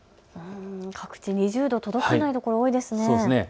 各地２０度に届かない所が多いですね。